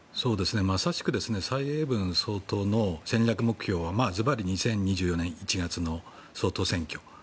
まさしく蔡英文総統の戦略目標はずばり２０２４年１月の総統選挙。